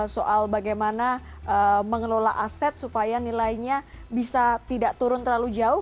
soal bagaimana mengelola aset supaya nilainya bisa tidak turun terlalu jauh